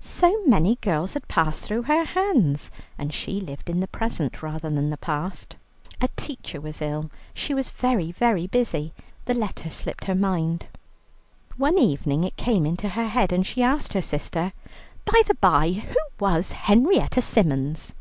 So many girls had passed through her hands, and she lived in the present rather than the past. A teacher was ill, she was very busy, the letter slipped her memory. One evening it came into her head, and she asked her sister, "By the by, who was Henrietta Symons?"